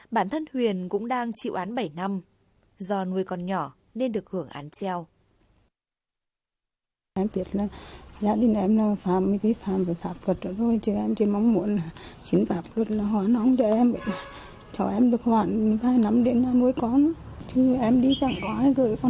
bản thân huyền cũng đang chịu án bảy năm do nuôi còn nhỏ nên được hưởng án treo